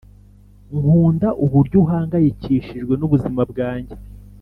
nkunda uburyo uhangayikishijwe n'ubuzima bwanjye